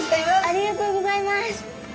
ありがとうございます！